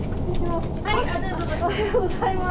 おはようございます。